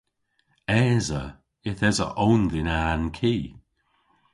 Esa. Yth esa own dhyn a'n ki.